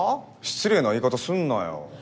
失礼な言い方すんなよ！